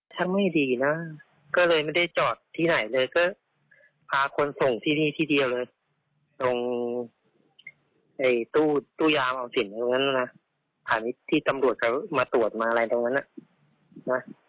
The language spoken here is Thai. ตรงตู้ยามเอาสินตรงนั้นนะที่ตำรวจมาตรวจมาอะไรตรงนั้นนะ